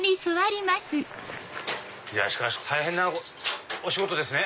しかし大変なお仕事ですね。